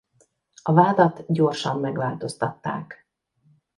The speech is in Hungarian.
A vádat gyorsan megváltoztatták.